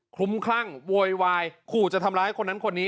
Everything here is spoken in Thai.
ขุมคลั่งวอยวายขอว่าจะทำร้ายแบบคนนั้นคนนี้